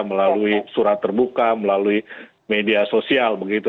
melalui surat terbuka melalui media sosial begitu